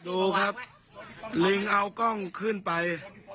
ดูครับลิงเอากล้องขึ้นไป